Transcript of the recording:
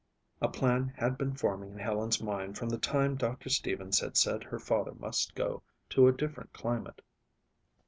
A plan had been forming in Helen's mind from the time Doctor Stevens had said her father must go to a different climate.